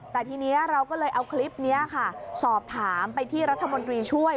แต่ทีนี้เราก็เลยเอาคลิปนี้ค่ะสอบถามไปที่รัฐมนตรีช่วย